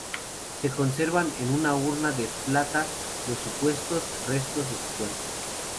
Se conservan en una urna de plata los supuestos restos de su cuerpo.